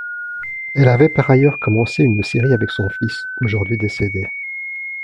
Elle avait par ailleurs commencé une série avec son fils, aujourd'hui décédé.